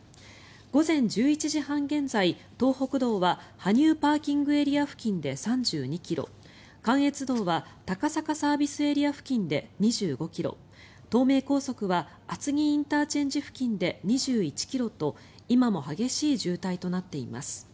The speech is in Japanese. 午前１１時半現在東北道は羽生ＰＡ付近で３２ｋｍ関越道は高坂ＳＡ付近で２５ｋｍ東名高速は厚木ＩＣ付近で２１ｋｍと今も激しい渋滞となっています。